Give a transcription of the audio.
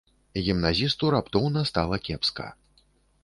Гімназісту раптоўна стала кепска.